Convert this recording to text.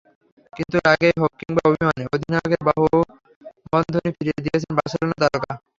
কিন্তু রাগেই হোক কিংবা অভিমানে, অধিনায়কের বাহুবন্ধনী ফিরিয়ে দিয়েছেন বার্সেলোনা তারকা।